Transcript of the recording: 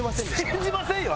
信じませんよ